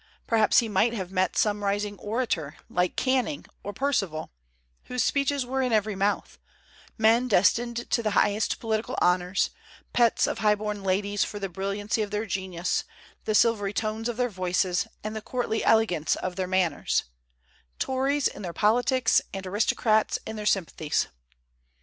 Perhaps he might have met some rising orator, like Canning or Perceval, whose speeches were in every mouth, men destined to the highest political honors, pets of highborn ladies for the brilliancy of their genius, the silvery tones of their voices, and the courtly elegance of their manners; Tories in their politics, and aristocrats in their sympathies.